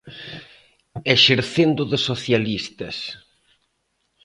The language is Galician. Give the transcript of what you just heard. Exercendo de socialistas.